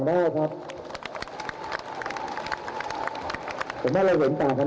เราอยากใจวงเนี้ยตรงนั้น